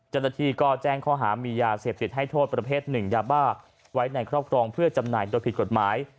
เจ้าหน้าที่ก็แจ้งข้อหามียาเสพติดให้โทษประเภทหนึ่งยาบ้าไว้ในครอบครองเพื่อจำหน่ายโดยผิดกฎหมาย